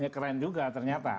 keren juga ternyata